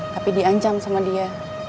tapi diancam sama dia